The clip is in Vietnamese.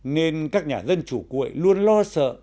nên các nhà dân chủ cuội luôn lo sợ